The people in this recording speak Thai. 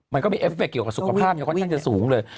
มันก็มีเอฟเฟคต์เกี่ยวกับของสุขภาพอย่างน้อยค่อนข้างจะสูงเลย